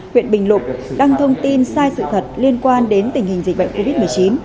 huyện bình lục đăng thông tin sai sự thật liên quan đến tình hình dịch bệnh covid một mươi chín